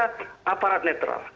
kita aparat netral